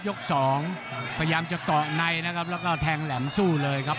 ยกสองพยายามจะเกาะในนะครับแล้วก็แทงแหลมสู้เลยครับ